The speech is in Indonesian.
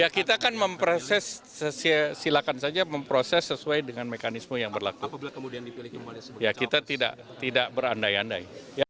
kita kan memproses sesuai dengan mekanisme yang berlaku kita tidak berandai andai